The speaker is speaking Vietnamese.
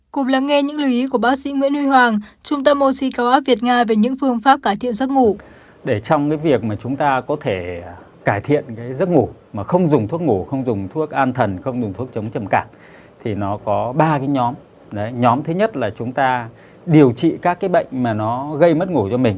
cùng lắng nghe những lưu ý của bác sĩ nguyễn huy hoàng trung tâm oxy cao áp việt nga về những phương pháp cải thiện giấc ngủ